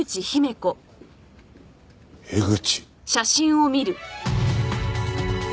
「江口」。